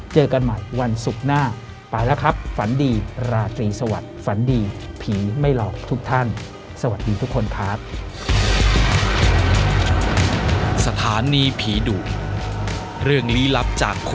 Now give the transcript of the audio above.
เจอกันใหม่วันศุกร์หน้าไปแล้วครับฝันดีราตรีสวัสดิ์ฝันดีผีไม่หลอกทุกท่านสวัสดีทุกคนครับ